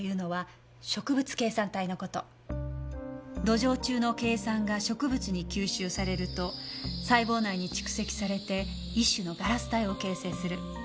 土壌中のケイ酸が植物に吸収されると細胞内に蓄積されて一種のガラス体を形成する。